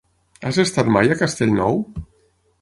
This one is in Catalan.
Has estat mai a Castellnou?